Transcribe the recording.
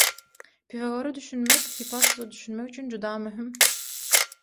Pifagora düşünmek Hippasusa düşünmek üçin juda möhüm.